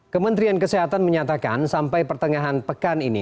kementerian kesehatan menyatakan sampai pertengahan pekan ini